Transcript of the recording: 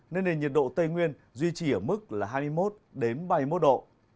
nên nền nhiệt độ tây nguyên duy trì ở mức là hai mươi một đến ba mươi một độ